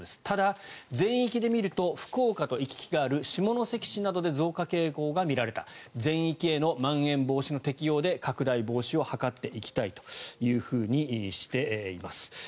ただ、全域で見ると福岡と行き来がある下関市で増加傾向が見られた全域へのまん延防止の適用で拡大防止を図っていきたいとしています。